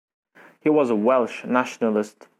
He was a Welsh Nationalist.